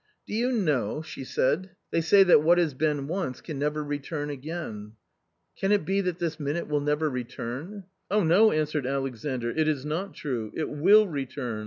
" Do you know," she said, "they say that what has been once can never return again ! Can it be that this minute will never return ?"" Oh, no," answered Alexandr, " it is not true ; it will return